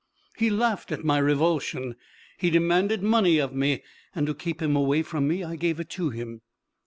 He laughed at my revulsion. He demanded money of me, and to keep him away from me I gave it to him.